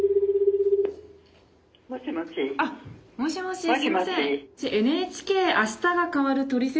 あっもしもしすみません。